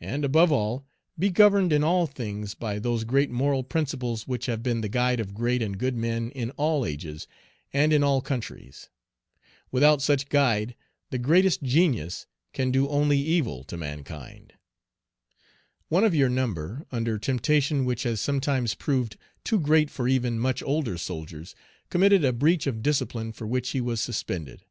And, above all, be governed in all things by those great moral principles which have been the guide of great and good men in all ages and in all countries. Without such guide the greatest genius can do only evil to mankind. One of your number, under temptation which has sometimes proved too great for even much older soldiers, committed A breach of discipline for which he was suspended.